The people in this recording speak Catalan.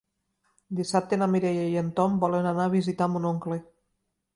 Dissabte na Mireia i en Tom volen anar a visitar mon oncle.